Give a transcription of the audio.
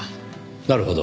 なるほど。